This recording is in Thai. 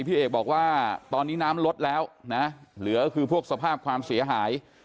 พี่เอกบอกว่าตอนนี้น้ำลดแล้วนะเหลือคือพวกสภาพความเสียหาย